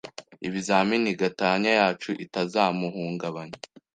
ibizamini gatanya yacu itazamuhungabanya.